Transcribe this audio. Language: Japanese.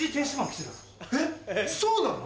えっそうなの？